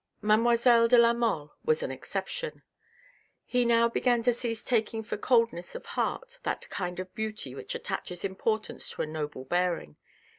Mademoiselle de la Mole was an exception. He now began to cease taking for coldness of heart that kind of beauty which attaches importance to a noble bearing.